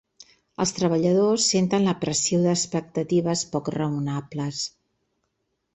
Els treballadors senten la pressió d'expectatives poc raonables.